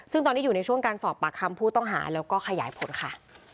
ซึ่งตอนนี้อยู่ในช่วงการสอบปากคำผู้ต้องหาแล้วก็ขยายผลค่ะ